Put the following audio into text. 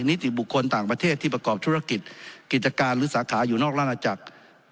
นิติบุคคลต่างประเทศที่ประกอบธุรกิจกิจการหรือสาขาอยู่นอกราชนาจักร